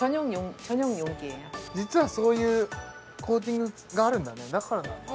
実はそういうコーティングがあるんだねだからだね